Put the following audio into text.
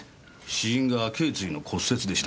死因が頸椎の骨折でした。